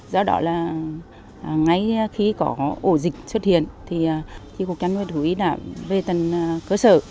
do đó ngay khi có ổ dịch xuất hiện chính phủ chăn nguyên thúy đã về tầng cơ sở